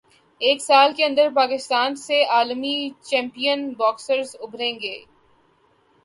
ایک سال کے اندر پاکستان سے عالمی چیمپئن باکسرز ابھریں گے عامر خان